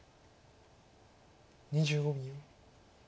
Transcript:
２５秒。